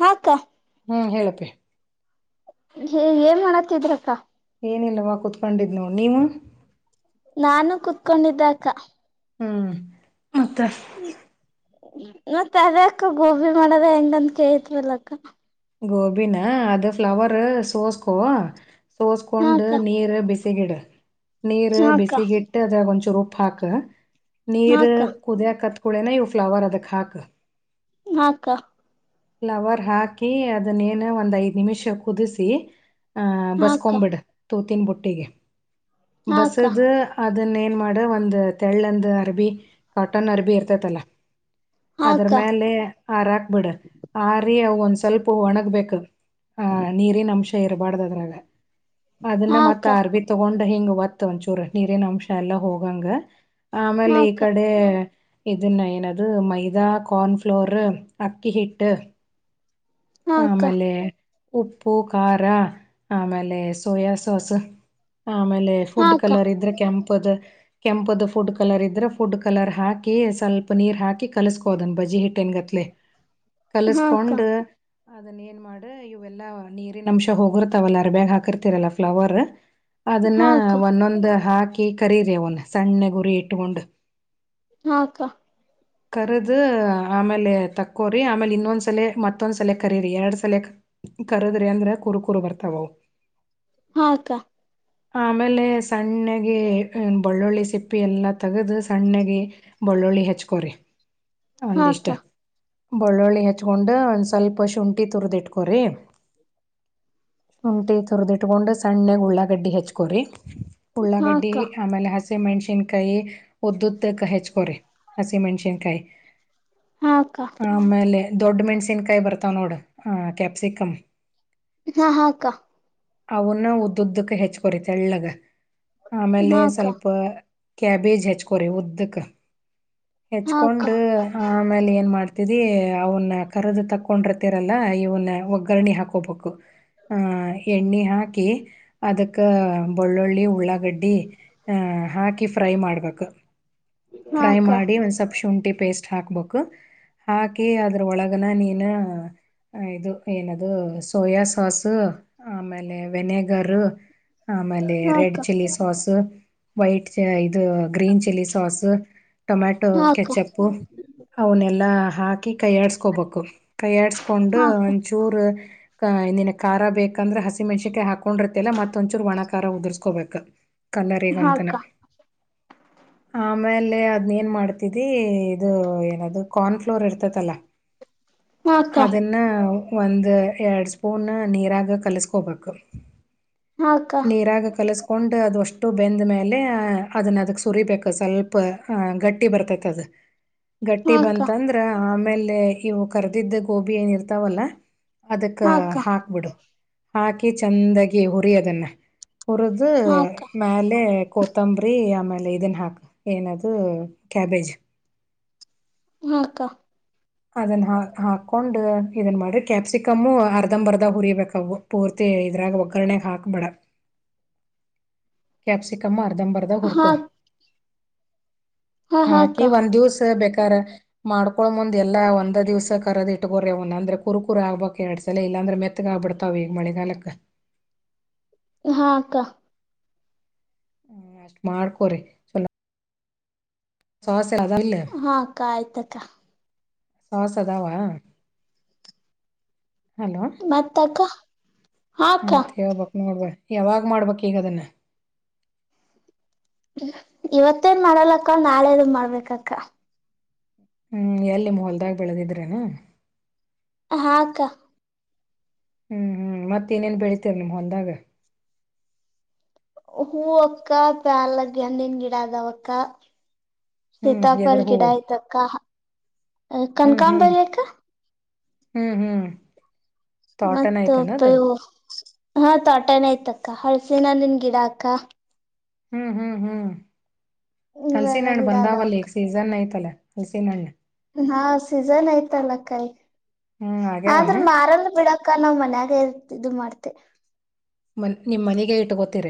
ಹಾಕ್ಕ ಹ್ಮ್ ಹೇಳಪ್ಪಿ. ಹ ಏನ್ ಮಾಡತ್ತಿದ್ರಕ್ಕ? ಏನಿಲ್ಲವಾ ಕುತ್ಕೊಂಡಿದ್ ನೋಡ್ ನೀವು? ನಾನು ಕುೂತ್ಕೊಂಡಿದ್ದೆ ಅಕ್ಕ. ಹ್ಮ್ ಮತ್ತೆ ಮತ್ತೆ ಅದೆ ಅಕ್ಕ ಗೋಬಿ ಮಾಡದ ಹೆಂಗಂತ್ ಕೇಳಿದ್ನಲ್ಲ ಅಕ್ಕ. ಗೋಬಿನ ಅದು ಫ್ಲವರ್ ಸೋಸ್ಕೋ. ಸೋಸ್ಕೊಂಡ್ ಹಾಕ್ಕ ನೀರ್ ಬಿಸಿ ತೆಗಿಡು. ನೀರು ಹಾಕ್ಕ ಬಿಸಿಗಿಟ್ಟು ಅದ್ರಾಗ್ ಒಂಚೂರ್ ಚುರ್ ಉಪ್ಪಾಕು. ನೀರ್ ಹಾಕ್ಕ ಕುದಿಯಕತ್ ಕುಳೆನ ಇವು ಫ್ಲವರ್ ಅದಕ್ಕಾಕು. ಹಾ ಅಕ್ಕ ಫ್ಲವರ್ ಹಾಕಿ ಅದನ್ನೇನ ಒಂದೖದ್ ನಿಮಿಷ ಕುದಿಸಿ ಆ ಹಾಕ್ಕ ಬಸ್ಕೊಂಬಿಡು. ತೂತಿನ್ ಬುಟ್ಟಿಗೆ. ಹಾಕ್ಕ ಬಸದ ಅತ್ ಅದನ್ನೇನ್ ಮಾಡ ಒಂದ್ ತೆಳ್ಳಂದ್ ಅರ್ಬಿ ಕಾಟನ್ ಅರಬಿ ಇರ್ತೈತಲ್ಲಾ. ಅದ್ರ ಹಾಕ್ಕ ಮ್ಯಾಲೆ ಆರಾಕ್ ಬಿಡ. ಆ ರೀ ಅ ಒಂದ್ ಸ್ವಲ್ಪ ಒಣಗ್ಬೇಕ. ಹ ನೀರಿನ ಅಂಶ ಇರಬಾರ್ದ ಅದ್ರಾಗ ಅದನ್ನ ಮತ್ ಹಾಕ್ಕ ಆ ಅರ್ಬಿ ತಗೊಂಡ ಹಿಂಗ್ ಒತ್ತ್ ಒಂಚೂರು ನೀರಿನ ಅಂಶ ಎಲ್ಲಾ ಹೋಗಂಗ. ಆಮೇಲೆ ಈ ಹಾಕ್ಕ ಕಡೆ. ಇದನ್ನ ಏನದ ಮೈದಾ ಕಾರ್ನ್ ಫ್ಲೋರ್ ಅಕ್ಕಿ ಹಿಟ್ ಟ್ಟ. ಹಾಕ್ಕ ಆಮೇಲೆ. ಉಪ್ಪು ಖಾರಾ ಆಮೇಲೆ ಸೋಯಾ ಸಾಸ. ಆಮೇಲೆ ಫುಡ್ ಹಾಕ್ಕ ಕಲರ್ ಇದ್ರ ಕೆಂ ಪದ ಕೆಂಪದ ಫುಡ್ ಕಲರ್ ಇದ್ರೆ ಫುಡ್ ಕಲರ್ ಹಾಕಿ ಸ್ವಲ್ಪ ನೀರ್ ಹಾಕಿ ಕಲಸ್ಕೋದನ್ ಬಜ್ಜಿ ಹಿಟ್ಟಿನ್ಗತ್ಲೆ. ಹಾಕ್ಕ ಕಲಸ್ಕೊಂಡ. ಅದನ್ ಏನ್ ಮಾಡ್ ಇವೆಲ್ಲಾ ನೀರಿನ ಅಂಶ ಹೋಗಿರ್ತಾವಲ್ಲ ಅರಿಬ್ಯಾಗ್ ಹಾಕಿರ್ತಿರಲ್ಲ ಫ್ಲಾವರ. ಅದನ್ನ ಹಾಕ್ಕ ಒಂದೊಂದ್ ಹಾಕ್ ಕಿ ಕರೀರಿ ಅವನ್ ಸಣ್ಣಗ್ ಉರಿ ಇಟ್ಟಕೊಂಡ. ಹಾ ಅಕ್ಕಾ. ಕರ್ದ ಆಮೇಲೆ ತಕ್ಕೋರಿ ಆಮೇಲೆ ಇನ್ನೊಂದ್ಸಲೆ ಮತ್ತೊಂದ್ಸಲೆ. ಕರೀರಿ ಯಾಡ್ ಸಲೇಕ್ ಕರದ್ರಿ ಅಂದ್ರ ಕುರಕುರ ಬರ್ತಾವ ಅವ. ಹಾ ಅಕ್ಕಾ. ಆಮೇಲೆ ಸಣ್ಣಾಗಿ ಬಳ್ಳುಳ್ಳಿ ಸಿಪ್ಪಿ ಎಲ್ಲಾ ತೆಗೆದ ಸಣ್ಣಾಗಿ ಬಳ್ಳುಳ್ಳಿ ಹೆಚ್ಕೊರಿ. ಒಂದಿಷ್ಟ. ಹಾಕ್ಕ ಹಾಕ್ಕ ಬಳ್ಳುಳ್ಳಿ ಹೇಚ್ಕೊಂಡ ಒಂದ್ ಸ್ವಲ್ಪ ಅ ಶುಂಠಿ ತುರ್ದ್ ಇಟ್ಕೊರಿ. ಶುಂಠಿ ತುರ್ದಿಟ್ಕೊಂಡ ಸ್ ಸಣ್ಣಗ ಉಳ್ಳಾಗಡ್ಡಿ ಹೇಚ್ಕೊರಿ. ಉಳ್ಳಾಗಡ್ಡಿ ಹಾಕ್ಕ ಆಮೇಲೆ ಹಸ ಹಸಿ ಮೆಣ್ಷಿನ್ ಕಾಯಿ ಉದ್ಯುತ್ ತೆಕ್ ಹಚ್ಕೋರಿ ಹಸಿ ಮೆಣ್ಷಿನ್ ಕಾಯಿ. ಹಾ ಅಕ್ಕಾ. ದೊಡ್ ಮೆಣಸಿನ್ ಕಾಯ್ ಬರ್ ತಾನೋಡ್ ಆ ಕ್ಯಾಪ್ಸಿಕಂ. ಹಾ ಹಾ ಅಕ್ಕ ಅವುನ್ನ ಉದದ್ದಕ್ಕ ಹೆಚ್ ಕೊರಿ ತೆಳ್ಳಗ. ಆಮೇಲೆ ಹಾಕ್ಕ ಸ್ವಲ್ಪ ಕ್ಯಾಬೇಜ್ ಹಚ್ಕೋರಿ ಉದ್ದುಕ ಹಾಕ್ಕ ಹಾಕ್ಕ ಹೆಚ್ಕೊಂಡು ಆಮೇಲೆ ಏನ್ ಮಾಡ್ತಿದಿ ಅವನ್ನ ಕರೆದ ತಕ್. ಕೊಂಡಿರ್ತಿರಲ್ಲ ಇವನ್ನ ಒಗ್ಗರಣೆ ಹಾಕೋಬೊಕು ಆಹ್ ಎಣ್ಣೆ ಹಾಕಿ ಅದಕ್ಕ ಬೊಳ್ಳುಳ್ಳಿ ಉಳ್ಳಾಗಡ್ಡಿ ಆ ಹಾಕಿ ಫ್ರೈ ಮಾಡ್ಬೇಕು. ಫ್ರೈ ಮಾಡಿ ಒಂದ್ ಸ್ವಲ್ಪ್ ಶುಂಠಿ. ಪೇಸ್ಟ್ ಹಾಕ್ ಬೋಕು ಹಾಕಿ ಅದ್ರ ಒಳಗನ ನೀನು. ಹ ಇದು ಏನದು ಸೋಯಾ ಸಾಸ್. ಆಮೇಲೆ ವೆನೇಗರು ಆಮೇಲೆ ರೆಡ್ ಹಾಕ್ಕ ಚಿಲ್ಲಿ ಸಾಸು. ವೈಟ್. ಛೆ ಇದು ಗ್ರೀನ್ ಚಿಲ್ಲಿ ಸಾಸ್. ಹೂ ಟೊಮ್ಯಾಟೊ ಕೆಚಪು ಅವನಿಲ್ಲ ಹಾಕಿ ಕೈ ಹಾಡಿಸ್ಕೊಬೋಕು. ಎಡ್ಸ್ಕೊಂಡು ಒಂಚೂರು. ಕಾ ನಿನ್ಗ್ ಖಾರ ಬೇಕ್. ಅಂದ್ರ ಹಸಿ ಮೆಣಸಕಾಯ್ ಹಾಕೊಂಡಿರ್ತಲ್ಲ ಮತ್ತ ಒಂಚೂರ ಒಣ ಖಾ ಖಾರ ಉದುರ್ಸ್ಕೋಬೇಕು. ಕಲರಿಗಂತನ. ಆಮೇಲೆ ಅದನ್ ಏನ್ ಮಾಡ್ತಿದ್ದಿ ಇದು ಏನದು ಕಾರ್ನ್ಫ್ಲೋರ್ ಇರ್ತತಲ್ಲ. ಹಾಕ್ಕ ಹಾಕ್ಕ ಅದನ್ನ. ಒಂದು ಎರಡು ಸ್ಪೂನ್ ನೀರಾಗ ಕಲಸ್ಕೋಬೇಕು. ಹಾಕ್ಕ ನೀರಾಗ ಕಲಸ್ ಕೊಂಡು ಅದು ಅಷ್ಟು ಬೆಂದ ಮೇಲೆ ಅದನ್ನ ಅದಕ್ಕೆ ಸುರಿಬೇಕು ಸ್ವಲ್ಪ ಗಟ್ಟಿ ಬರ್ತೈತಿ ಅದು. ಗಟ್ಟಿ ಹಾಕ್ಕ ಬಂತಂದ್ರ ಆಮ್. ಆಮೇಲೆ ಇವು ಕರ್ದಿದ್ದ ಗೋಬಿ ಏನ ಇರ್ತಾವಲ್ಲ. ಅದಕ್ಕ ಹಾಕ್ಕ ಹಾಕ್ಬಿಡು. ಹಾಕಿ ಚಂದಾಗಿ ಹುರಿ ಅದುನ್ನ. [inaudible] ಊರುದು ಹಾಕ್ಕ ಮ್ಯಾಲೆ. ಕೊತಂಬ್ರಿ ಆಮೇಲೆ ಇದನ್ ಹಾಕ್ ಏನದು ಕ್ಯಾಬೇಜ್. ಹಾ ಅಕ್ಕಾ. ಅದನ್ ಹ -ಹಾಕೊಂಡ್ ಇದನ್ ಮಾಡ್ ಕ್ಯಾಪ್ಸಿಕಮ್ಮು ಅರ್ಧಂಬರ್ದ ಹುರಿಬೇಕವು ಪೂರ್ತಿ ಇದ್ರಾಗ ಒಗ್ಗರಣೆಾಗ್ಹಾಕ್ಬೇಡ. ಕ್ಯಾಪ್ಸಿಕಮ್ ಅರ್ ಜಂಬರದಾಗ್ ಹೂರ್ಕೊ ಹಾಕ್ ಹ ಹಾಕ್ಕ ಹಾಕಿ ಒಂದ್ ದಿವ್ಸ ಬೇಕ ಕರ ಮಾಡ್ಕೊಳ್ಳ ಮುಂದ್ ಎಲ್ಲಾ ಒಂದ್ ದಿವ್ಸ ಕರದ ಇಟ್ಕೋರವನ ಅಂದ್ರೆ ಕುರುಕುರು ಆಗ್ಬಕ್ ಎರಡ್ ಸಲ ಇಲ್ಲಾಂದ್ರೆ ಮೆತ್ಗ ಆಗ್ಬಿಡ್ತಾವ ಈಗ ಮಳಿಗಾಲಕ್ಕ ಹಾ ಅಕ್ಕ ಹ್ಮ ಅಷ್ಟ್ ಮಾಡ್ಕೋರಿ ಚಲೋ ಸಾಸ್ ಅದಾವಿಲ್ಲ ಹಾ ಅಕ್ಕ ಆಯ್ತಕ್ಕ. ಸಾಸ್ ಅದಾವ? ಮತ್ತಕ್ಕ? ಹಾಕ್ಕ ಮತ್ತ್ ಹೇಳ್ಬಕ್ ನೋಡ್ವಾ ಯಾವಾಗ್ಮಾಡ್ಬೇಕು ಈಗದನ್ನ. ಇವತ್ತೇನ್ ಮಾಡಲ್ಲಕ್ಕ ನಾಳೆದು ಮಾಡ್ಬೇಕಕ್ಕ. ಹ್ಮ್ ಎಲ್ಲಿ ನಿಮ್ಹೊಲ್ದಾಗ ಬೆಳೆದಿದ್ರೇನಾ. ಹಾ ಅಕ್ಕಾ ಹ್ಮ್ ಹ್ಮ್ ಮತ್ತಿನೇನ್ ಬೆಳಿತೇರ್ ನಿಮ್ಹೊಲ್ದಾಗ. ಹೂವಕ್ಕ ಪ್ಯಾರ್ಲಗೆಂನಿನ ಗಿಡ ಆದವಕ್ಕ. ಹ್ಮ್ ಸೀತಾಪಲ್ ಎದರ್ ಹೂವು ಗಿಡಾಯ್ತಕ್ಕ. ಅ ಹ್ಮ್ ಹ್ಮ್ ಕನಕಾಂಬರಿ ಅಕ್ಕ ಹ್ಮ್ ಹ್ಮ್ ತ್ವಾಟನ ಐತನದ ಮತ್ತಪ್ಪಯ್ ಹಾ ತಾಟನಯ್ತಕ್ಕ ಹಳ್ಸಿನ್ನನ್ ಗಿಡ ಅಕ್ಕ. ಹ್ಮ್ ಹ್ಮ್ ಹ್ಮ್ ಹಲ್ಸಿನ್ ಇವೆಲ್ಲ ಹಣ್ಣ್ ಗಿಡ ಅದಾವಕ್ಕ ಬಂದಾವಲ್ಲಿಗ ಸೀಸನ್ ಐ್ತಲ್ಲ. ಹಲ್ಸಿನಣ್ಣ್ ಹಾ ಸೀಸನ್ಐ್ತಲ್ಲಕಾಯ್ ಹ್ಮ್ ಆದ್ರ ಆಗ್ಯಾವನ ಮಾರಲ್ ಬಿಡಕ್ಕ ನಾವ್ ಮನ್ ಗ್ ಇದು ಮಾಡ್ತೆ. ಮನ್ ನಿಮ್ಮನೆಗೆ ಇಟ್ಗೊತೀರ.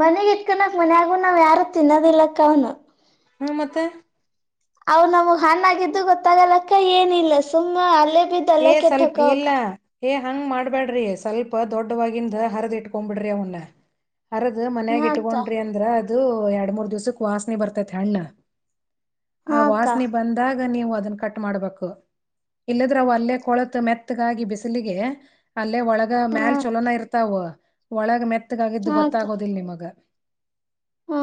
ಮನೆಗಿಟ್ಕನಕ್ ಮನ್ಯಾಗು ನಾವ್ ಯಾರು ತಿನ್ನದಿಲ್ಲಕ್ಕ ಅವ್ನ. ಹ್ಮ ಮತ್ತ. ಅವ್ ನಮ್ಗ್ ಹಾಣ್ಣಾಗಿದ್ದು ಗೊತ್ತಾಗಲಕ್ಕ ಏನಿಲ್ಲ ಸುಮ್ಮ ಅಲ್ಲೇ ಬಿದ್ ಏ ಅಲ್ಲೇ ಸ್ವಲ್ಪ ಕೆಟ್ಟೋಕವ್ ಅಕ್ಕ ಇಲ್ಲ ಏ ಹಂಗ್ ಮಾಡ್ಬ್ಯಾಡ್ರಿ ಸ್ವಲ್ಪ ದೊಡ್ಡವಾಗಿಂದ ಹರ್ದಿ ಇಟ್ಕೊಬಿಡ್ರಿ ಅವ್ನ. ಅರ್ದ್ ಹಾ ಅಕ್ಕ ಮನ್ಯಾಗಿಟ್ಕೊಂಡ್ರಿ ಅಂದ್ರ ಅದ್ ದು ಎರಡ್ಮೂರ್ ದಿವ್ಸಕ್ ವಾಸ್ನಿ ಬರ್ತೈತಿ ಹಣ್ಣ್. ಆ ಹಾ ಅಕ್ಕ ವಾಸ್ನಿ ಬಂದಾಗ ನೀವು ಅದನ್ನ ಕಟ್ ಮಾಡ್ಬೇಕು ಇಲ್ಲ್ ದ್ರ ಅವ್ವಲ್ಲೇ ಕೊಳ್ತ್ ಮೆತ್ತಗಾಗಿ ಬಿಸ್ಲಿಗೆ ಅ ರೈಲ್ವೆ ಒಳಗ ಹಾ ಮ್ಯಾಲ್ ಚಲೋನ ಇರ್ತಾವ. ಒಳಗ ಮೆತ್ತ್ ತ್ಗಾಗಿದ್ದು ಹಾ ಅಕ್ಕ ಗೊತ್ತಾಗೋದಿಲ್ಲ ನಿಮ್ಗ. ಹಾ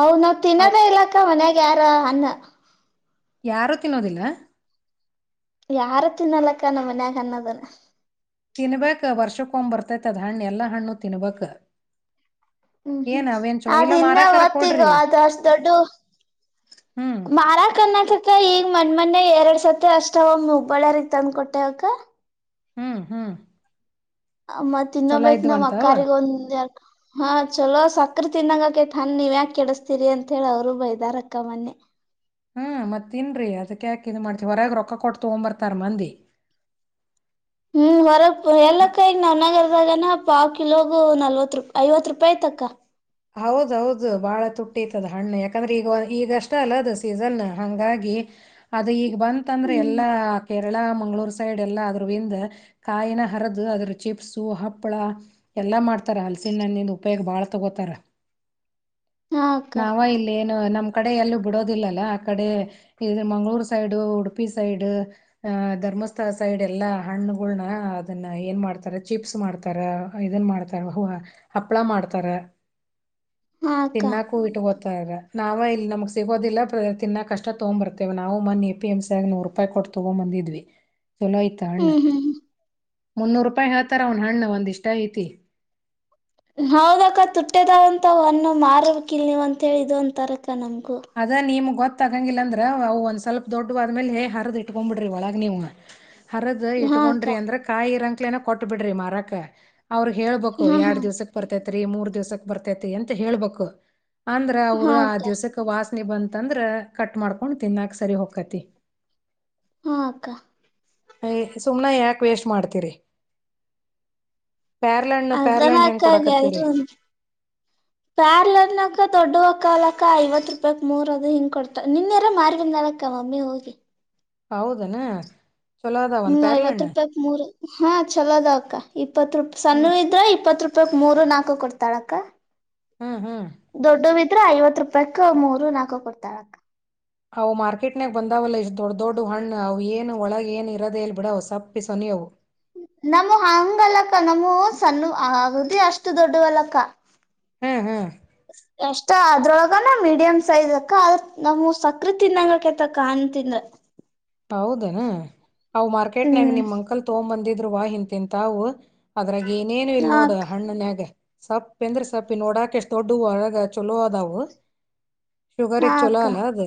ಅವು ನಾವ್ ತಿನ್ನೋದೇ ಇಲ್ಲಕ್ಕ ಮನೆಗ ಯಾರ ಹಣ್ಣ. ಯಾರು ತಿನ್ನೋದಿಲ್ಲ. ಯಾರು ತಿನ್ನಲಕ್ಕ ನಮ್ಮ ಮನೆಗ ಹಣ್ಣ ದನ. ತಿನ್ಬಕ್ ವರ್ಷಕ್ಕೊಂದು ಬರ್ತೈತೇ ಅದು ಹಣ್ಣ ಎಲ್ಲಾ ಹಣ್ಣು ತಿನ್ಬಕ್. ಹ್ಮ್ ಹ್ಮ್ ಅದು ಇನ್ನ ಮಾರಾಕರ ಹೊತ್ತಿಗ ಕೊಡ್ರಿ ಅದು ಅಷ್ಟ ದೊಡ್ಡ ಹ್ಮ್ ಮಾರಕ ಅನ್ನೋದಕ್ಕೆ ಈಗ. ನಮ್ಮ ಮನೆ ಎರಡ್ ಸತಿ ಅಷ್ಟೇ ಅವಮ್ಮ ಹಬ್ಬ ಳ್ಳಾರಿಗ್ ತಂದ್ ಕೊಟ್ಟು ಹೋಗಕ. ಹ್ಮ್ ಹ್ಮ್. ಮತ್ ಚೊಲೋ ಇನ್ನೊಬ್ಬಾಕಿ ನಮ್ ಇದ್ವಂತ ಅವ ಅಕ್ಕಾರಿಗ ಒಂದ್ ಯಾರ್. ಹಾ ಚಲೋ ಸಕ್ರಿ ತಿಂದಂಗ ಆಗ್ತೈತೆ ಹಂಗ ನೀವ್ ಯಾಕ ಕೆಡಿಸತೀರಿ ಅಂತ ಹೇಳಿ ಅವರು ಬೈದಾರಕ್ಕ ಮೊನ್ನೆ. ಹ್ಮ ಮತ್ತ ತಿನ್ರಿ ಅದಕ್ಕೆ ಯಾಕೆ ಇದ ಮಾಡ್ತೀವಿ ಹೊರಗೆ ರೊಕ್ಕ ಕೊಟ್ಟ ತೊಗೊಂಡ ಬರ್ತಾರ ಮಂದಿ. ಹು ಹೊರಗ. ಹ ನೆರಳೇಕಾಯಿ ನನಗಲ್ಲ. ಇವ ಆಗನ ಪಾವ್ ಕಿಲೋಗು ನಲ್ವತ್ ರೂಪಾಯಿ ಐವತ್ ರೂಪಾಯಿತಕ್ಕ. ಹೌದೌದು ಬಾಳ ತುಟ್ಟಿ ಐತಿ ಅದ ಹಣ್ಣು ಯಾಕಂದ್ರೆ ಈಗ ಈಗಷ್ಟ ಅಲ್ಲ ಅದು ಸೀಸನ್ ಹಂಗಾಗಿ ಅದು ಈಗ. ಈ ಬಂತ ಅಂದ್ರ ಹ್ಮ್ ಎಲ್ಲಾ ಕೆ. ಕೇರಳ ಮಂಗಳೂರ್ ಸೈಡ್ ಎಲ್ಲ ಅದ್ರಿಂದ ಕಾಯಿನ ಹರಿದ ಅದ್ರ ಚಿಪ್ಸು ಹಪ್ಪಳ ಎಲ್ಲ ಮಾಡ್ತಾರ ಹಲಸಿನ ಹಣ್ಣಿಂದ ಉಪಯೋಗ ಬಾಳ ತಗೋತಾರ. ಹಾ ಅಕ್ಕ ನಾವ ಇಲ್ಲೇ ಎನ್. ನಮ್ ಕಡೆ ಎಲ್ಲೂ ಬಿಡೋದಿಲ್ಲಲ್ಲ ಆ ಕಡೆ ಇ ಮಂಗ್ಗಳೂರ್ ಸೈಡ್ ಉಡುಪಿ ಸೈಡ್ ಅ ಧರ್ಮಸ್ಥಳ ಸೈಡ್ ಎಲ್ಲಾ ಹಣ್ಣುಗಳನ ಅದನ್ನ ಏನ್ ಮಾಡ್ತಾರ ಚಿಪ್ಸ್ ಮಾಡ್ತಾರ ಇದನ್ ಮಾಡ್ತಾರ ಹ ಹಪ್ಪಳ ಮಾಡ್ತಾರ. ಹಾ ಅಕ್ಕ ತಿನ್ನಕೂ ಇಟ್ಟು ಕೋ. ತಾಗ ನಾವ ಇಲ್ಲಿ ನಮಗ್ ಸಿಗೋದಿಲ್ಲ ತಿನ್ನ ಕಷ್ಟ ತಗೋ ಬರ್ತೇವ ನಾವು ಮನ್ನಿ ಎ ಪಿ ಎಮಂ ಸಿ ಯಾಗ ನೂರ್ ರೂಪಾಯಿ ಕೊಟ್ಟ ತಗೊಂಡ್. ಬಂದಿದ್ವಿ ಚಲೋ ಇತ್ತ ಹಣ್ಣ. ಹ್ಮ್ ಹ್ಮ್ ಮುನ್ನೂರು ರೂಪಾಯಿ ಹೇಳ್ತಾರ ಅವನ ಹಣ್ಣ ಒಂದಿಷ್ಟ ಐತಿ. ಹೌದಕ್ಕ ತುಟ್ಟಿ ಅದಾವ ಅಂತ ಅವು ಹಣ್ಣು ಮಾರಕ್ ಇಲ್ವಂತೆ ಹೇಳಿದ್ದು ನೀವ ಇದು ಅಂತರ. ಅದ ನಿಮ್ ಗೊತ್ತ. ಗೊತ್ತಾಗಂಗಿಲ್ಲ ಅಂದ್ರ ಅವು ಒಂದ್ ಸ್ವಲ್ಪ ದೊಡ್ಡ ಆದ್ಮೇಲೆ ಹ ಹರಿದ್ ಇಟ್ಕೊಂಡ್ಬ ಬಿಡ್ರಿ ಒಳಗ ನೀವ್. ಅರಿದು ಹಾ ಅಕ್ಕ ಇಟ್ಕೊಂಡ್ರಿ ಅಂದ್ರ ಕಾಯಿರಂಗ. ಕೆಳನ ಕೊಟ್ಟ ಬಿಡ್ರಿ ಮರಾಕ್. ಅವರು ಹೇಳ್ಬೇಕು ಹಾ ಹಾ ಎರಡ್ ದಿವಸಕ್ ಬರ್ತೈತಿ. ಥ್ರೀ ಮೂರ್ ದಿವ್ಸಕ್ ಬರ್ತೈತಿ ಅಂತ ಹೇಳ್ಬೇಕು. ಅಂದ್ರ ಅವರು ಹಾ ಆ ಅಕ್ಕ ದಿವ್ಸಕ್ಕ. ವಾಸನೆ ಬಂತಂದ್ರ ಕಟ್ ಮಾಡ್ಕೊಂಡ್ ತಿನ್ನಾಕ್ ಸರಿ ಹೊಕ್ತೈತಿ. ಹು ಅಕ್ಕಾ. ಓಯ್ ಸುಮ್ನೆ ಯಾಕ್ ವೇಸ್ಟ್ ಮಾಡ್ತೀರಿ. ಪ್ಯಾರ್ಲಹಣ್ಣ ಪ್ಯಾರ್ಲಹಣ್ಣ ಹೆಂಗ್ ಅದನಾಕ್ಕ ಕೊಡಾಕತ್ತೀರಿ ಗೆಲ್ರುನ ಪ್ಯಾರಲ ಹಣ್ಣ ಅಕ್ಕಾ ದೊಡ್ಡುವ ಆಕ್. ಕಾಲಕ್ಕ ಐವತ್ ರೂಪಾಯಕ್ ಮೂರ್ ಅದು ಹಿಂಗ್ ಕೊಡ್ತ ನಿನ್ಯರ ಮಾರಿ ಬಂದಾಲ ಅಕ್ಕಾ ಮಮ್ಮಿ ಹೋಗಿ. ಹೌದನ. ಚಲೋ ಅದಾವನ್ ಹ್ಮ್ ಐವತ್ ಪ್ಯಾರ್ಲಹಣ್ಣ ರೂಪಾಯಕ್ ಮೂರ. ಹಾ ಛಲೋ ಅದಾವ ಅಕ್ಕಾ ಇಪ್. ಇಪ್ಪತ್ತು ರೂಪ್ ಸನ್ನು ಹ್ಮ್ ಇದ್ರ ಇಪ್ಪತ್ತು ರೂಪ್. ಪಕ ಮೂರು ನಾಕೂ ಕೊಡ್ತಾಳ ಅಕ್ಕಾ. ಹ್ ಹ್ಮ್. ದೊಡ್ದುವ ಇದ್ರ ಐವತ್ ರೂಪಾಯಕ ಮೂರು ನಾಕು ಕೊಡ್ತಾಳ ಅಕ್ಕಾ. ಅವು ಮಾರ್ಕೆಟ್ನ್ಯಾಗ ಬಂದಾವಲ್ಲ ಇಸ್ ದೊಡ್ಡ ದೊಡ್ಡವ ಹಣ್ಣು ಅವು ಏನು ಒಳಗ ಏನು ಇರದೆೇ ಇಲ್ಲ ಬಿಡವ್ ಸಪ್ಪಿ ಸೊನಿ ಅವು. ನಮ್ಮು ಹಂಗ ಅಲಕ್ಕ ನಮ್ಮು ಸಣ್ಣುವ ಅಘ್ದಿ ಅಷ್ಟು ದೊಡ್ಡುವ ಅಲ್ ಅಕ್ಕಾ. ಹ್ಮ್ ಹ್ಮ್. ಎಷ್ಟ ಅದ್ರೊಳಗನ ಮೀಡಿಯ್ ಸೈಝ್ ಅಕ್ಕಾ ಅದ ನಮ್ವು ಸಕ್ರೀ ತಿನ್ನಂಗ ಆಕೆತ್ತ ಅಕ್ಕಾ ಹನ್ ತಿಂದ್ರ. ಹೌದನ. ಅವು ಮಾರ್ಕೆಟ್ ನ್ಯಾಗ ಹ್ಮ್ ನಿಮ್ ಅಂಕಲ್ ತ್ತೊಂಬ ಬಂದಿದ್. ಇದ್ರು ವಾಹಿಂನ ತಿಂನತಾವು ಅರ್. ಅದ್ರಾಗ ಏನೇನು ಇಲ್ ಹಾ ನೋಡು ಅಕ್ಕ ಹಣ್ಣುನ್ಯಾಗ. ಸಪ್ಪ ಎಂದ್ರಿ ಸಪ್ಪಿ ನೋಡಾಕ್ ಎಷ್ಟ್ ದೊಡ್ಡುವ ಅರಗ ಚೊಲೋ ಅದಾವು. ಹಾ ಶುಗರೀಗ ಚೋಲ ಅಕ್ಕ ಅಲ್ಲ ಅದು.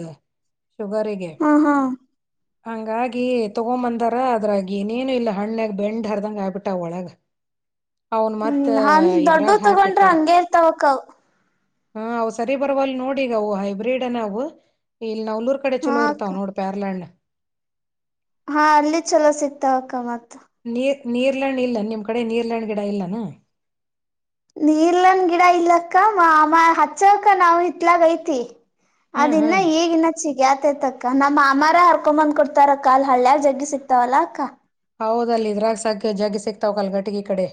ಶುಗರಿಗೆ. ಹಾ ಹಾ ಹಂಗಾಗಿ ತಗೊಂಬಂದಾರಾ ಅದ್ರಾಗಿ ಏನೇನು ಇಲ್ಲ ಹಣ್ಯಾಗ ಬೆಂಡ್ ಹರದಂಗ ಆಯಬಿಟ್ಟವ ಒಳಗ. ಅವನ್ ಮತ್ತ ಹ್ಮ್ ಹಂದ ದೊಡ್ಡು ಇದ್ರಾಗ ತ್ತೊಗೊಂಡ್ರ ಹಂಗೆ ಇರ್ತವ ಅಕ್ಕವು. ಹ ಅವು ಸರಿ ಬರ್ವಲ್ ನೋಡಿ ಇಗ ಅವು ಹೈಬ್ರಿಡ್ ಅನವು ಈ. ಈ ನಾವ್ಲ್ಲೂರ್ ಕಡೆ ಹಾ ಛಲೋ ಅಕ್ಕ ಇರ್ತಾವ ನೋಡು ಪ್ಯಾರ್ಲ ಹಣ್ಣ. ಹಾ ಅಲ್ಲಿ ಛಲೋ ಸಿಕ್ತಾವ ಅಕ್ಕಾ ಮತ್ತ್. ನೀರ್ ನೀರ್ಲ ಹಣ್ ಇಲ್ಲ ನಿಮ್ ಕಡೆ ನೀರ್ಲ ಹಣ್ ಗಿಡಾ ಇಲ್ಲನ. ನೀರ್ಲ ಹನ್ ಗಿಡಾ ಇಲ್ಲ ಅಕ್ಕಾ ಮಾಮಾಯ ಹಚ್ಚವಕ ನಾವ್ ಹಿತ್ಲಾಗ ಐತಿ. ಹಾ ಅದ ಹಾ. ಇನ್ನ ಇಗ ಇನ್ನು ಚ್ಚಿಗ್ಯಾ. ತೈತಕ್ಕ ನಮ್ಮ್ ಮಾಮಾರ ಹರ್ಕೊಂಬಂದ್ ಕುಡ್ತಾರ ಅಕ್ಕಾ ಅಲ್ ಹಳ್ಳ್ಯಾಗ ಜಗ್ಗಿ ಸಿಕ್ತಾವಲ್ಲಾ ಅಕ್ಕಾ. ಹೌದಲ್ಲ ಇದ್ರಾಗ ಸಕಜಗ್ಗಿ ಸಿಗ್ತಾವ ಕಲ್ಗಟಿಗಿ ಕಡೆ.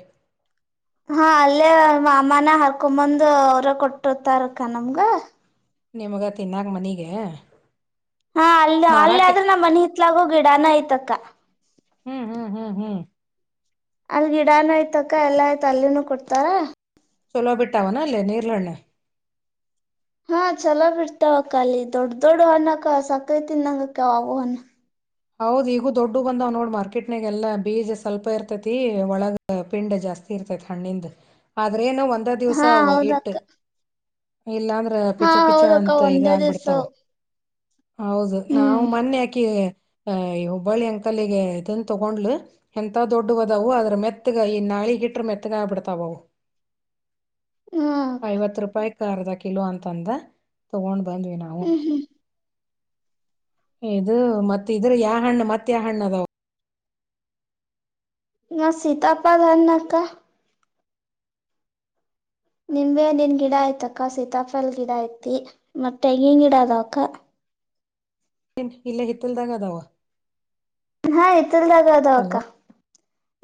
ಹಾ ಅಲ್ಲೇವ ಮಾಮಾನ ಹರ್ಕೊಂಬಂದು ಅವ್ರ ಕೊಟ್ಟುತ್ತಾರ ಅಕ್ಕ ನಮ್ಗ. ನಿಮ್ಗ ತಿನ್ನಾಗ ಮನೀಗೆ. ಹಾ ಅಲ್ಲು ಅಲ್ಲೇ ಆದ್ರು ನಮ್ಮ್ ಮನೀ ಹಿತ್ಲಾಗೂ ಗಿಡಾನ ಐತ್ತಕ್ಕಾ. ಹ್ಮ್ ಹ್ಮ್ ಹ್ಮ್ ಹ್ಮ್ ಅಲ್ ಗಿಡಾನು ಆಯ್ತಕ್ಕ ಎಲ್ಲಾ ಆಯ್ತ ಅಲ್ಲಿನೂ ಕೊಡ್ತಾರ. ಚಲೋ ಬಿಟ್ಟಾವೆನ ಅಲ್ಲೇ ನೀರ್ಲಣ್ಣ. ಹಾ ಚಲೋ ಬಿಡ್ತಾವಕ್ಕ ಅಲ್ಲಿ ದೊಡ್ ದೊಡ್ಡ ಅಣ್ಣಕ್ಕ ಸಕ್ರೆ ತಿನ್ನಂಗಕ್ಕ ಅವು ಅಣ. ಹೌದು ಈಗೂ ದೊಡ್ಡವು ಬಂದವ್ ನೋಡ್ ಮಾರ್ಕೆಟ್ನಾಗ ಎಲ್ಲಾ ಬೀಜ ಸ್ವಲ್ಪ ಇರ್ತೈತಿ ಒಳಗ ಪಿಂಡ ಜಾಸ್ತಿ ಇರ್ತೈತಿ ಹಣ್ಣಿಂದ ಆದ್ರ ಏನು. ಅಂದ ದಿವಸ ಹಾ ಅವು ಇಟ್ಟು. ಹೌದಕ್ಕ ಇಲ್ಲಾಂದ್ರ ಹಾ ಪಿಚ ಪಿಚ ಹೌದಕ್ಕ ಅಂತ ಇದ ಒಂದೇ ಆಗ್ಬಿಡ್ತಾವ. ದಿವ್ಸವು ಹೌದು ನಾವು ಹ್ಮ್ ಮೊನ್ನೆ ಆಕಿ ಅಹ್ ಈ ಹುಬ್ಬಳ್ಳಿ ಅಂಕಲಿಗೆ ಇದನ್ ತಗೊಂಡ್ಲು ಎಂತ ದೊಡ್ಡ ಹದವು ಅದ್ರ ಮೆತ್ತಗ ಈ ನಾಳಿಗಿಟ್ರ ಮೆತ್ತಗ ಆಗ್ಬಿಡ್ತಾವ ಅವು. ಹಾ ಐವತ್ತು ರೂಪಾಯ. ಅರ್ದ ಕಿಲೋ ಅಂತ ಅಂದ ತಗೊಂಡ. ಬಂದ್ವಿ ನಾವು. ಹ್ಮ್ ಹ್ಮ್ ಇದು ಮತ್. ಇದ್ರ ಯಾವ ಹಣ್ಣ ಮತ್ತ ಯಾವ ಹಣ್ಣ ಅದಾವ. ನ ಸೀತಪಲ ಹಣ್ಣಕ್ಕ. ನಿಂಬೆನೀನ್ ಗಿಡ ಆಯ್ತಕ್ಕ ಸೀತಾಫಲ್ ಗಿಡ ಐತಿ ಮತ್ತೆಂಗಿನ್ ಗಿಡ ಅದಾಕ್ಕ. ಏನ್ ಇಲ್ಲೆ ಹಿತ್ತಲ್ದಾಗ ಅದಾವ. ಹಾ ಇತ್ತಲದಾಗ ಹಲೋ ಅದವಕ್ಕಾ.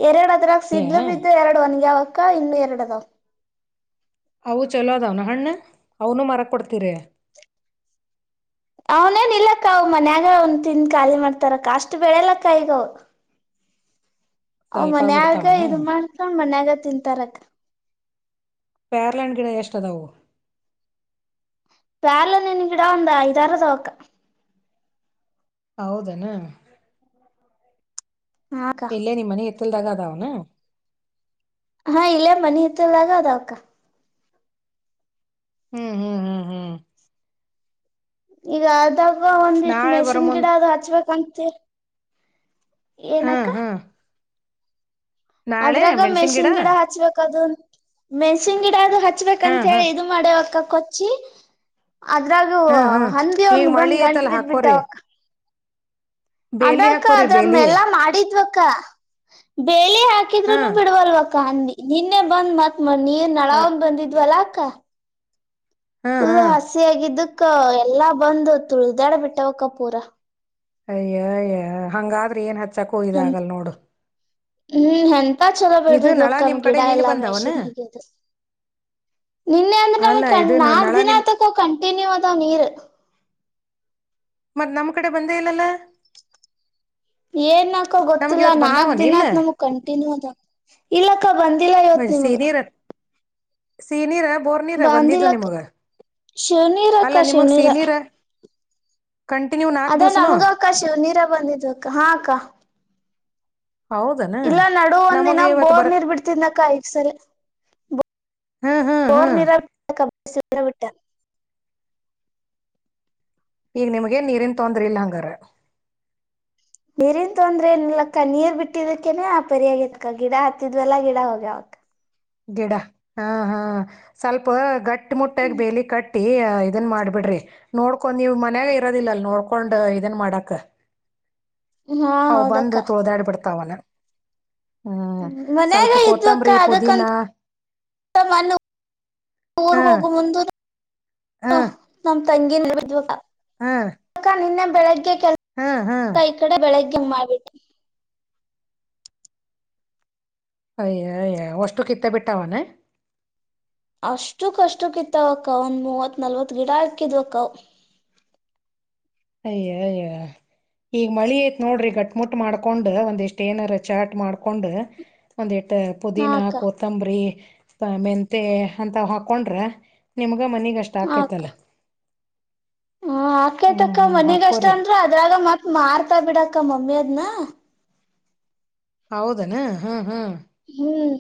ಎರಡು ಅದರಾಗ ಸಿದ್ಲು ಬಿದ್ದು ಎರಡು ಒನಗ್ಯಾವಾ. ಕ್ಕಾ ಇನ್ನು ಎರಡು ಅದಾವ. ಅವು ಚೊಲೋ ಅದಾವನ ಹಣ್ಣು ಅವನು ಮಾರಕ್ ಕೊಡ್ತೀರಿ. ಅವನೇನ್ ಇಲ್ಲಕ್ಕ ಅವ ಮನ್ಯಾಗ ಅವನ್ ತಿನ್ ಖಾಲಿ ಮಾಡ್ತಾರಕ್ಕ ಅಷ್ಟು ಬೆಳೆಲಕ್ಕ ಈಗ ಅವು. ಅವು ಸ್ವಲ್ಪ ಮನ್ಯಾಗ ಬಿಡ್ತಾವನ ಇದು ಮಾಡ್ಕೊಂಡ್ ಮನ್ಯಾಗತ್ತ. ತಿಂತಾರಕ್. ಪ್ಯಾರ್ಲಾಣ್ಣ ಗಿಡ ಎಷ್ಟದವು. ಪ್ಯಾರಲಣ್ಣಿನ ಗಿಡ ಒಂದು ಐದಾರದವಕ. ಹೌದೇನು. ಹಾಕ್ಕ ಎಲ್ಲೇ ನಿಮ್ಮ್ ಮನಿತ್ತ. ಇಲ್ಲದಾಗಾದವುನ. ಹಾ ಇಲ್ಲೇ ಮನಿ ಇತ್ತಲ್ಲಗ ಅದಾವಕ್ಕ. ಹ್ಮ್ ಹ್ಮ್ ಹ್ಮ್ ಹ್ಮ್ ಈಗ ಅದ. ಇಗ ಒಂದಿಷ್ಟು ನಾಳೆ ಬರೋ ಮೆಷಿನ್ ಗಿಡ ಮುಂದ್ ಅದು ಹಚ್ಬಬೇಕಂತ. ತಿರ್ ಏನಕ್ಕ. ಹ್ಮ್ ಹ್ಮ್ ನಾಳೆ ಅದ್ರಾಗ ಮೆಣಸಿನ್ ಮೆಶ್ಶಿನ್ ಗಿಡ ಹಚ್ಬೇಕದು ಮೆಣ್ಸಿನ್ ಗಿಡ ಅದು ಹಚ್ಬೇಕಂತ ಹ್ಮ್ ಹೇಳಿ ಹ್ಮ್ ಇದು ಮಾಡ್ಯವಕ್ಕ. ಕೊಚ್ಚಿ ಅದ್ರಾಗೂ ಹ್ಮ್ ಹ್ಮ್ ಹಂದಿ ಈಗ ಒಂದ್ ಮಳಿ ಒಂದ್ ಐತಲ್ಲ ಹಾಕೋರಿ ಗಂಟ್ಬಿದ್ಬಿಟ್ಟವಕ್. ಬೇಲಿ ಅದಕ್ಕ ಹಾಕೋರಿ ಅದ ಬೇಲಿ ಮ್ಮೆಲ್ಲಾ ಮಾಡಿದ್ವ ಕ್ಕ ಬೇ ಲಿ ಹಾಕಿದ್ರುನು ಹ್ಮ್ ಬಿಡ್ವಲ್ವ ಕ್ಕ ಹಂದ್ ನಿನ್ನೆ ಬಂದ್ಮತ್ತ್ ಮನೀರ್ ನಳ ಒಂದ್ ಬಂದಿದ್ವಲ ಕ್ಕ ಹ್ಮ್ ಫುಲ್ ಹ್ಮ್ ಹಸಿ ಆಗಿದ್ದು ಕ್ಕ ಎಲ್ಲಾ ಬಂದು ತುಳ್ದಾಡ್ಬಿಟ್ಟವಕ್ಕ ಪೂರ. ಅಯ್ಯಯ್ಯ ಹಂಗಾದ್ರೆ ಏನ್ ಹಚ್ ಚಕ್ಕೋಯ್ದ ಇದಾಗಲ್ಲ ನೋಡು. ಹ್ಮ್ ಹಂ ಚ ಚಲೋ ಇದು ನಳ ಬೆಳದಿದ್ವಕ್ಕಮ ನಿಮ್ ಕಡೆ ಗಿಡ ನೀನ್ ಎಲ್ಲಾ ಬಂದಾವನ ಮೆಷಿನ್ಗದು ನಿನ್ನೆ ಅಂದ್ರೆ ಅಲ್ಲ ನಮಕಣ್ ಇದು ನಳ ನಿಮ್ ನಾಕ್ದಿನತಕೋ ಕಂಟಿನ್ಯೂ ಅದಾವ ನೀರ್. ಮತ್ನಮ್ಕಡೆ ಬಂದೇ ಇಲ್ಲಲ್ಲ. ಏನ್ ನ್ಕ್ ನಮ್ಗ್ ಗೊತ್ತಿಲ್ಲ ಇವತ್ ಬಂದಾವನ ಇಲ್ಲ ನಾಕ್ದಿನಾದ್ ನಮ್ಗ್ ಕಂಟಿನ್ಯೂ ಅದ ಇಲ್ಲಕ್ಕ ಬಂದ್ ಮಳೆ ಸೀರಿರ್ತ್ ಸೀನಿರ ಬಾಂಧಿಲಕ್ಕ ಅಲ್ಲ ಶಿವ್ನಿರಕ್ಕ ನಿಮಗ್ ಶಿವ್ನಿರ. ಸೀನೀರ ಕಂಟಿನ್ಯೂ ನಾಕ್ ಅದೇ ದಿವ್ಸನು ನಮ್ಗಕ್ಕ ಶಿವ್ನೀರ ಬಂದಿದ್ವಿ ಅಕ್ಕ ಹಾ ಅಕ್ಕ. ಹೌದನ ಇಲ್ಲ ನಡುುವಂದ್ ನಮಗ ದಿನ ಇವತ್ ಬರ ಬೋರ್ನೀರ್ ಬಿಡ್ತಿದ್ನಕಾ ಯಕ್ಸ್ ಹ್ಮ್ ಹ್ಮ್ ಹ್ಮ್ ಬೋರ್ನಿರ [unintelligible] [unintelligible] ಈಗ ನಿಮ್ಗೆ ನ್ ನೀರಿನ್ ತೊಂದ್ರೆ ಇಲ್ಲ ಹಂಗಾರ. ನೀರಿನ್ ತೊಂದ್ರೆ ನಿಲಕ್ಕ ನೀರ್ ಬಿಟ್ಟಿದಕೇನೆ ಆ ಪರಿಯಾಗತ್ಕ ಗಿಡ ಹತ್ತಿದ್ಲ್ಲಾ ಗಿಡ ಹೋಗ್ಯಾವಕ್ಕ. ಗಿಡ ಹಾ ಹಾ ಸ್ವಲ್ಪ ಗಟ್ಟ್ ಮುಟ್ಟಾಗಿ ಬೇಲಿ ಕಟ್ಟ್ ಟ್ಟೀ ಇದನ್ ಮಾಡ್ಬಿಡ್ರಿ ನೋಡ್ಕೊಂಡ್ ನೀವ್ ಮನೆಗಾ ಇರೋದಿಲ್ಲ ಅಲ್ ನೋಡ್ಕೊಂಡ್ ಇದನ್ ಮಾಡಕ್. ಹಾ ಹ ಹೌದಕ್ಕ ಬಂದು ತೊಳ್ದಾಡಿ ಬಿಡ್ತಾವಲ್ಲ. ಹ್ಮ್ ಸ್ವಲ್ಪ ಕೊತ್ತಂಬರಿ ಪುದೀನಾ. ಮ [inaudible] ಊರ್ಗ ಹಾ ಹೋಗುವ ಮುಂದ ಹಾ ನ. ತಂಗಿ. [unintelligible] ಹಾ. ಬೆಳಗ್ಗೆ. ಹಾ ಹಾ. ತಿಮ್ಮ ಬಿಟ್ಟಿ. [unintelligible] ಅಯ್ಯ ಅಯ್ಯ ಅಷ್ಟು ಕಿತ್ತ ಬಿಟ್ಟ ಅವನ. ಅಷ್ಟು ಕಷ್ಟಕ್ಕಿತ್ತವಕ್ಕ ಒಂದ್ ಮೂವತ್ ನಲ್ವತ್ ಗಿಡ ಹಾಕಿದ್ವ ಅಕ್ಕವ. ಅಯ್ಯ ಅಯ್ಯ ಈಗ ಮಳಿ ಐತ್ ನೋಡ್ರಿ ಗಟ್ ಮುಟ್ ಮಾಡ್ಕೊಂಡ್ ಒಂದು ಇಷ್ಟು ಏನಾರ ಚಾರ್ಟ್ ಮಾಡ್ಕೊಂಡ್ ಒಂದ್ ಎಷ್ಟ. ಹಾ ಪುದೀನ ಅಕ್ಕ ಕೊತ್ತಂಬರಿ. ಶಾಮಂತಿ ಅಂತ ಹಾಕೊಂಡ್ರ ನಿಮಗ್. ಆಗ ಮನಗೆಷ್ಟು ಹಾಕಥೈತೇ ಅಲ್ಲ. ಹ್ಮ ಆ. ಆಕೈತಕ್ಕ ಮನಿಗ್ ಅಷ್ಟ ಹಾಕೋರಿ ಅಂದ್ರೆ ಅದ್ರಾಗ ಮತ್ ಮಾರ್ತಾ ಬಿಡಕ್ಕ ಮಮ್ಮಿ ಅದನ. ವ. ಹೌದನಾ ಹ್ಮ ಹ್ಮ್. ಹ್ಮ್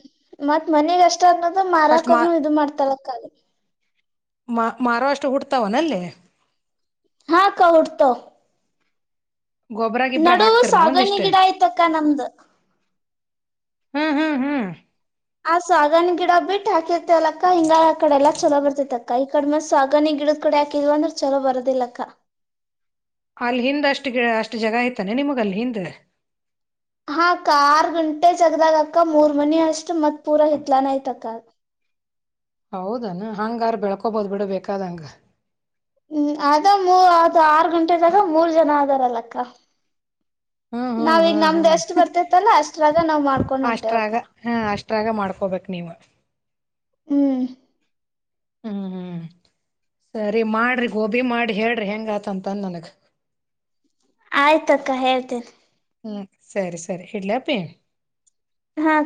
ಮತ್ ಮನೆಗ ಅಷ್ಟ. ಇಷ್ಟದು ಅಷ್ಟ್ ಮಾರಾಕೋದ್ನು ಇದು ಮಾಡ್ತಾರ ಕಲೆ. ಮ ಮಹಾರಾಷ್ಟ್ರ ಹುಡ್ತಾವನಲ್ಲೇ ಹಾ ಅಕ್ಕಾ ಹುಟ್ಟುತ್ತವ. ಗೊಬ್ರ ಗಿಬ್ರ ನಡುವು ಹಾಕ್ತಿರ್ನ ಸಾಗಣಿ ಒಂದಿಷ್ಟ ಗಿಡ ಆಯ್ತಕ್ಕ ನಮ್ದ. ಹ್ಮ್ ಹ್ಮ್ ಹ್ಮ್. ಆ ಸಾಗಣಿ ಗಿಡ ಬಿಟ್ಟ ಹಾಕಿದ್ವಿ. ಲಕ್ಕ ಹಿಂಗಾಗಿ ಆ ಕಡೆ ಎಲ್ಲ ಚಲೋ ಬರ್ತಿತ ಅ. ಕೈ ಕಡಿಮೆ ಸಾಗನಿ ಗಿಡದ್ ಕಡೆ ಹಾಕಿದ್ವಿ ಅಂದ್ರ ಚಲೋ ಬರೋದಿಲ್ಲಕ್ಕ. ಅಲ್ ಹಿಂದಷ್ಟು ಅ ಅಷ್ಟು ಜಾಗ ಆಯ್ತೇನು ನಿಮಗ ಅಲ್ಲಿ ಹಿಂದ. ಹಾ ಅಕ್ಕಾ ಆರ್ ಗುಂಟೆ ಜಗದಾಗಕ್ಕ ಮೂರ್ ಮನಿ ಅಷ್ಟು ಮತ್ತ್ ಪೂರ ಹಿತ್ಲಾನ ಐತಕ್ಕ. ಹೌದನ ಹಂಗ ಯಾರ ಬೆಳ್ಕೊಬೋದು ಬಿಡು ಬೇಕಾದ ಅಂಗ. ಹ್ಮ್ ಅದ ಮೂರು ಅದು ಆರ್ ಗುಂಟೆದಾಗ ಮೂರ್ ಜನ ಆದದಾರಲ್ಲಕ್ಕ. ಹ್ಮ್ ಹ್ಮ್ ನಾವೀಗ ಹ್ಮ್ ನಮ್ದ ಹ್ಮ್ ಎಷ್ಟ್ ಬರ್ತೇತ್ತಲ್ಲ ಅಷ್ಟ್ರಾಗ ನಾವ್ ಮಾಡ್ಕೊಂಡ್ ಹೊಂಟಿವಿ ಅಕ್ಕ. ಪ್ರಯೋಗ ಮಾಡ್ಕೋಬೇಕ್ ನೀವು. ಹ್ಮ್ ಹ್ಮ್ ಹ್ಮ್ ಹ್ಮ್ ಸರಿ ಮಾಡ್ರಿ ಗೋಬಿ ಮಾಡಿ ಹೇಳ್ರಿ ಹೆಂಗ್ ಆತಂತನ್ ನನಗ. ಆಯ್ತಕ್ಕ ಹೇಳ್ತಿನಿ. ಹ್ಮ್ ಸರಿ ಸರಿ ಇಡ್ಲಾಪ್ಪಿ. ಹಾ